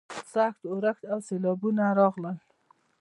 سخت اورښت او سیلاوونه راغلل.